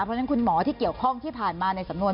เพราะฉะนั้นคุณหมอที่เกี่ยวข้องที่ผ่านมาในสำนวน